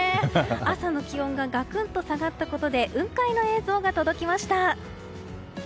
朝の気温がガクンと下がったことで雲海の映像が届きました。